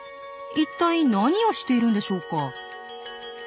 いったい何をしているんでしょうか。